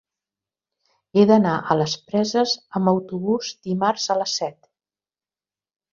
He d'anar a les Preses amb autobús dimarts a les set.